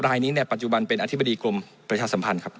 รายนี้เนี่ยปัจจุบันเป็นอธิบดีกรมประชาสัมพันธ์ครับ